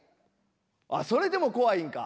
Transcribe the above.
ああそれでも怖いんか。